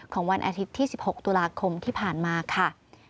วันอาทิตย์ที่๑๖ตุลาคมที่ผ่านมาค่ะ